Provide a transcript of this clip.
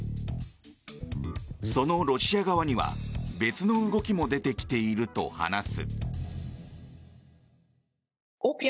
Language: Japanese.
そのロシア側には別の動きも出てきていると話す。